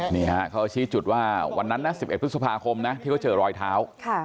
นี่ฮะเขาชี้จุดว่าวันนั้นนะ๑๑พฤษภาคมนะที่เขาเจอรอยเท้า